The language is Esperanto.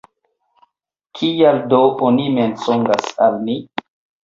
Kial do oni mensogas al ni?